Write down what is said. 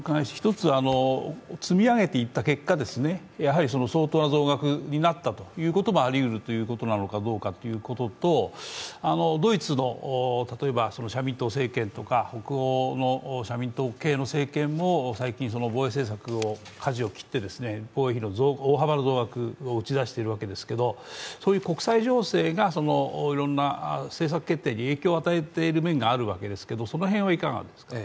１つは、積み上げていった結果相当な増額になったということもありうるのかどうかということと、ドイツの社民党政権とか北欧の社民党系の政権も、最近防衛政策をかじを切って防衛費の大幅な増額を打ち出しているわけですけどそういう国際情勢が政策決定に影響を与えている面があるわけですけれどもその辺はいかがですか？